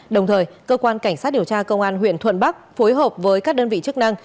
đồng thời cơ quan cảnh sát điều tra công an huyện thuận bắc phối hợp với các đơn vị chức năng